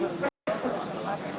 mereka juga memiliki tempat